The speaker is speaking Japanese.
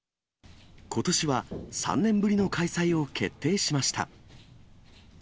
ことしは、３年ぶりの開催を決定しました。